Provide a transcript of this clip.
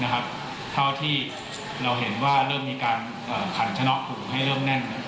ก็เท่าที่เรามีการถูกกันให้เริ่มแน่น